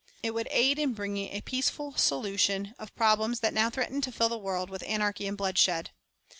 It would aid in bringing a peaceful solution of problems that now threaten to fill the world with anarchy and bloodshed.